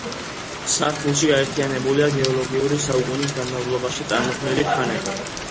სართულში გაერთიანებულია გეოლოგიური საუკუნის განმავლობაში წარმოქმნილი ქანები.